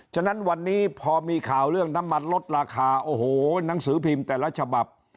ฉะนั้นวันนี้พอมีข่าวเรื่องน้ำมันลดราคาโอ้โหหนังสือพิมพ์แต่ละฉบับ